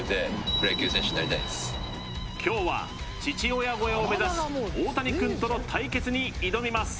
今日は父親超えを目指しオオタニくんとの対決に挑みます